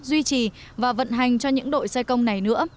duy trì và vận hành cho những đội xe công này nữa